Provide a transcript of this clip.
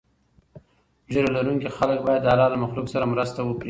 ږیره لرونکي خلک باید د الله له مخلوق سره مرسته وکړي.